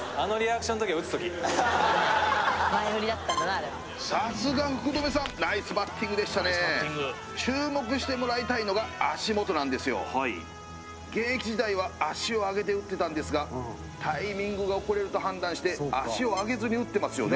そうもうさすが福留さんナイスバッティングでしたねナイスバッティング注目してもらいたいのが足元なんですよはい現役時代は足を上げて打ってたんですがタイミングが遅れると判断して足を上げずに打ってますよね